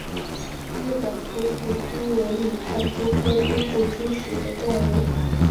日本突腹蛛为拟态蛛科突腹蛛属的动物。